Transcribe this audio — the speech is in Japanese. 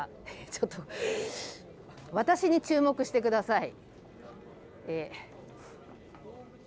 ちょっと、私に注目してください。